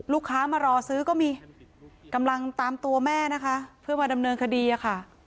ลูกค้ามารอซื้อก็มีกำลังตามตัวแม่นะคะเพื่อมาดำเนินคดีอะค่ะ